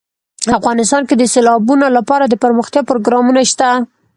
افغانستان کې د سیلابونه لپاره دپرمختیا پروګرامونه شته.